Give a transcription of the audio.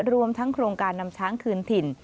รวมทั้งโครงการนำช้างคืนถิ่น